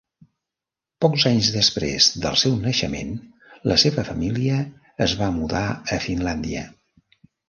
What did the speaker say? Pocs anys després del seu naixement, la seva família es va mudar a Finlàndia.